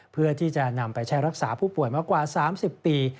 เพื่อที่จะนำไปใช้รักษาผู้ป่วยมากว่า๓๐ปี